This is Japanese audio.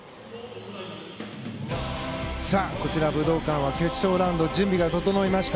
こちら、武道館は決勝ラウンドの準備が整いました。